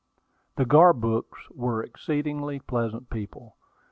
The Garbrooks were exceedingly pleasant people.